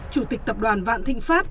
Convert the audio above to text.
chủ tịch tập đoàn vạn thịnh pháp